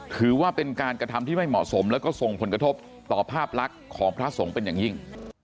ถือว่าเป็นการกระทำที่ไม่เหมาะสมแล้วก็ส่งผลกระทบต่อภาพลักษณ์ของพระสงฆ์เป็นอย่างยิ่ง